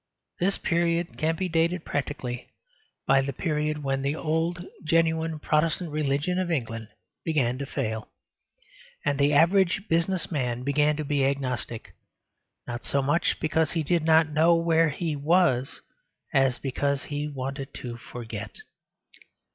This period can be dated practically by the period when the old and genuine Protestant religion of England began to fail; and the average business man began to be agnostic, not so much because he did not know where he was, as because he wanted to forget.